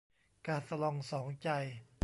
กาสะลองสองใจ